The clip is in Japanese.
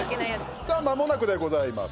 さあ、まもなくでございます。